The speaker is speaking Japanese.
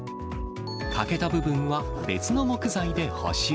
欠けた部分は別の木材で補修。